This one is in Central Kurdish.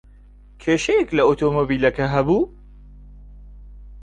کێشەیەک لە ئۆتۆمۆبیلەکە ھەبوو؟